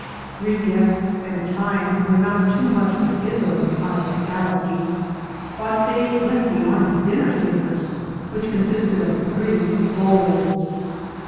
Three guests at a time were not too much for his open hospitality, but they went beyond his dinner service, which consisted of three bowls.